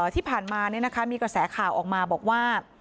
ที่ผ่านมามีกระแสข่าวออกมาบอกว่า